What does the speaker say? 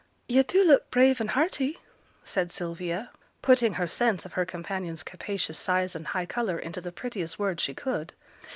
'Yo' do look brave and hearty!' said Sylvia, putting her sense of her companion's capacious size and high colour into the prettiest words she could.